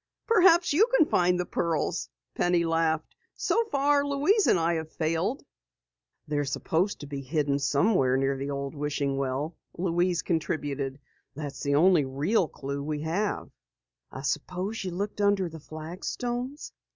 "Perhaps you can find the pearls," Penny laughed. "So far Louise and I have failed." "They're supposed to be hidden somewhere near the old wishing well," Louise contributed. "That's the only real clue we have." "I suppose you looked under the flagstones?"